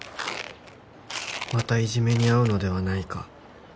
「またいじめに遭うのではないか」